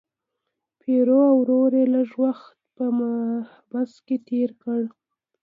پیرو او ورور یې لږ وخت په محبس کې تیر کړ.